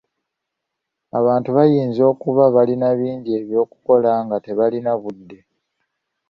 Abantu bayinza okuba balina bingi ebyokukola nga tebalina budde.